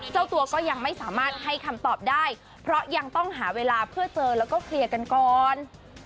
เจ้าตัวก็ยังไม่สามารถให้คำตอบได้เพราะยังต้องหาเวลาเพื่อเจอแล้วก็เคลียร์กันก่อน